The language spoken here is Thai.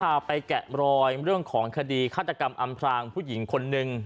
พาไปแกะรอยเรื่องของคดีฆาตกรรมอำพรางผู้หญิงคนนึง